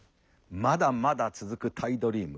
まだまだ続くタイドリーム。